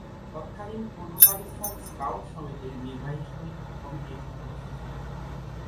তৎকালীন পূর্ব পাকিস্তান স্কাউট সমিতির নির্বাহী কমিটির সদস্য ছিলেন।